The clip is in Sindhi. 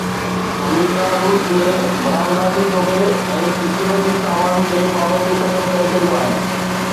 آمريڪا روس جي برآمداتي شعبي ۽ سيڪيورٽي سامان تي پابنديون ختم ڪري ڇڏيون آهن